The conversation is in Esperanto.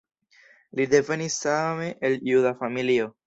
Li devenis same el juda familio.